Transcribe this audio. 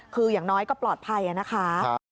คืออย่างน้อยก็ปลอดภัยนะคะ